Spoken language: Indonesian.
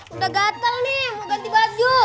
udah gatel nih ganti baju